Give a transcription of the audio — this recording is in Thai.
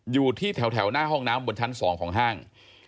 อยู่ที่แถวหน้าห้องน้ำบนชั้น๒ของห้าง